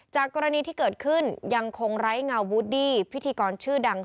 กรณีที่เกิดขึ้นยังคงไร้เงาวูดดี้พิธีกรชื่อดัง